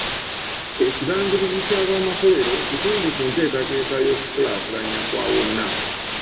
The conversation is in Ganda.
Ekibangirizi ky'abamakolero kitundu ku nteekateeka y'okulaakulanya kwa wonna.